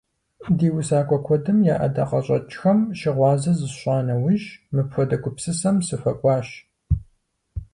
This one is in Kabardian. Ди усакӀуэ куэдым я ӀэдакъэщӀэкӀхэм щыгъуазэ зысщӀа нэужь, мыпхуэдэ гупсысэм сыхуэкӀуащ.